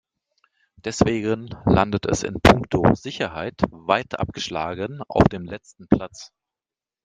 Deswegen landet es in puncto Sicherheit weit abgeschlagen auf dem letzten Platz.